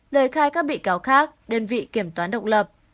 lời khai các bị cáo khác đơn vị kiểm toán độc lập